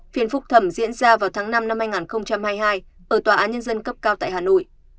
phiền phúc thẩm diễn ra vào tháng năm năm hai nghìn hai mươi hai ở tòa án nhân dân cấp cao tại hà nội